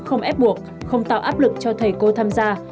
không ép buộc không tạo áp lực cho thầy cô tham gia